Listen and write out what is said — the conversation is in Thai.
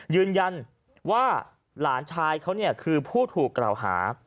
ยืนยันว่าหลานชายเขาเนี่ยคือผู้ถูกกล่าวหา